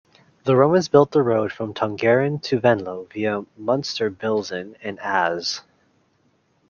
The Romans built the road from Tongeren to Venlo via Munsterbilzen and As.